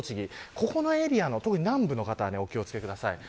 ここのエリアの南部の方はお気を付けください。